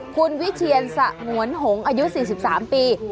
คุณวิเชียนสงวนหงอายุ๔๓ปี